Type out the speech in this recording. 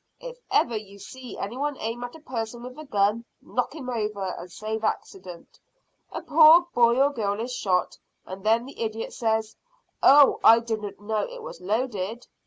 If ever you see any one aim at a person with a gun, knock him over, and save accident. A poor boy or girl is shot, and then the idiot says, `Oh, I didn't know it was loaded!'